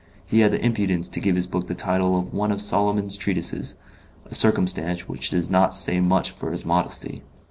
He had the impudence to give his book the title of one of Solomon's treatises a circumstance which does not say much for his modesty.